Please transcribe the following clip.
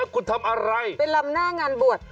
คุณทำอะไรไปลำหน้างานบวช